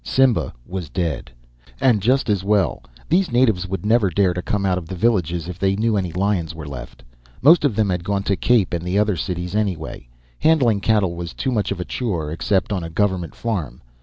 Simba was dead, and just as well. These natives would never dare to come out of the villages if they knew any lions were left. Most of them had gone to Cape and the other cities anyway; handling cattle was too much of a chore, except on a government farm.